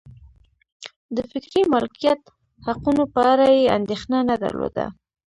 د فکري مالکیت حقونو په اړه یې اندېښنه نه درلوده.